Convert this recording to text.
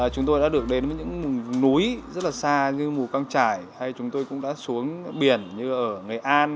chúng tôi đã được đến những núi rất là xa như mù căng trải hay chúng tôi cũng đã xuống biển như ở ngày an